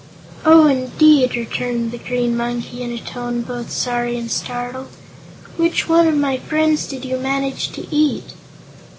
"Oh, indeed!" returned the Green Monkey, in a tone both sorry and startled. "Which of my friends did you manage to eat?"